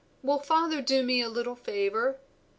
"Will father do me a little favor?"